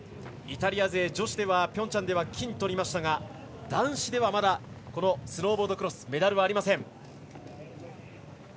イタリア勢、女子ではピョンチャンでは金をとりましたが男子ではまだスノーボードクロスメダルはありません。